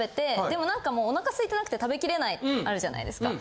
でも何かもうお腹すいてなくて食べ切れないあるじゃないですか。